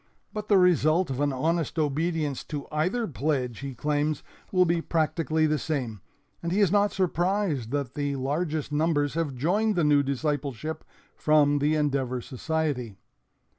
But the result of an honest obedience to either pledge, he claims, will be practically the same, and he is not surprised that the largest numbers have joined the new discipleship from the Endeavor Society.